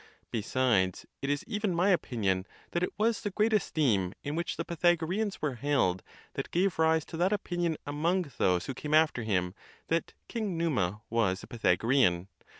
Besides, it is even my opinion that it was the great esteem in which the Py thagoreans were held, that gave rise to that opinion among those who came after him, that King Numa was a Py " thagorean.